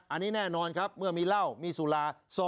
อันนี้แน่นอนครับเมื่อมีเหล้ามีสุรา